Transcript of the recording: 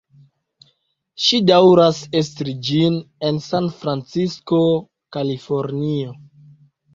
Ŝi daŭras estri ĝin en Sanfrancisko, Kalifornio.